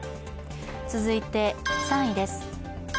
続いて３位です。